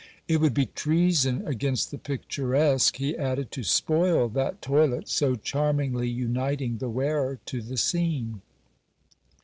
'It would be treason against the picturesque,' he added, 'to spoil that toilet so charmingly uniting the wearer to the scene.